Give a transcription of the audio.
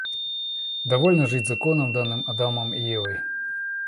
Довольно жить законом, данным Адамом и Евой.